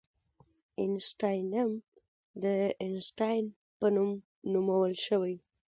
د اینشټاینیم د اینشټاین په نوم نومول شوی.